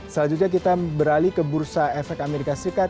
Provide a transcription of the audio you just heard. selanjutnya kita beralih ke bursa saham eropa